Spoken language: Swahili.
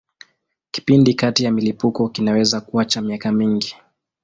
Kipindi kati ya milipuko kinaweza kuwa cha miaka mingi.